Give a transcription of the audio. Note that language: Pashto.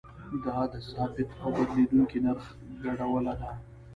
دا د ثابت او بدلیدونکي نرخ ګډوله ده.